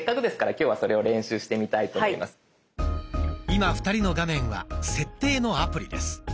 今２人の画面は「設定」のアプリです。